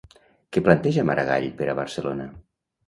Què planteja Maragall per a Barcelona?